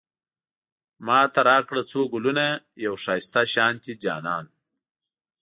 ماته راکړه څو ګلونه، يو ښايسته شانتی جانان